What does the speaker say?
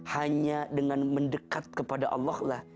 hanya dengan mendekat kepada allah lah